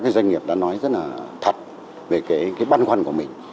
và các doanh nghiệp đã nói rất là thật về cái băn khoăn của mình